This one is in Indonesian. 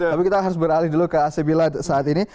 tapi kita harus beralih dulu ke acbila saat ini